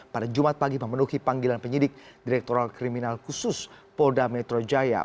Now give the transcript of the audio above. pada jumat pagi memenuhi panggilan penyidik direktural kriminal khusus polda metro jaya